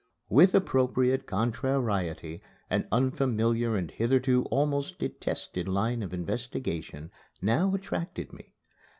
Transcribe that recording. With appropriate contrariety, an unfamiliar and hitherto almost detested line of investigation now attracted me.